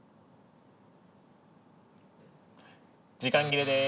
時間切れです。